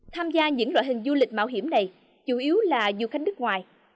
tham gia những loại hình du lịch mạo hiểm này chủ yếu là du khách nước ngoài